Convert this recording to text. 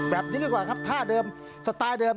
แบบนี้ดีกว่าครับท่าเดิมสไตล์เดิม